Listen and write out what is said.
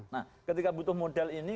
nah ketika butuh modal ini